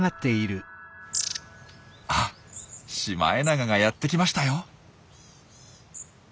あシマエナガがやってきましたよ。